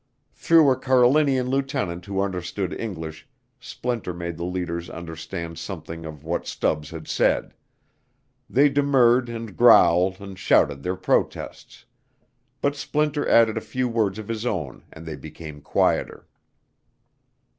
Through a Carlinian lieutenant who understood English, Splinter made the leaders understand something of what Stubbs had said. They demurred and growled and shouted their protests. But Splinter added a few words of his own and they became quieter.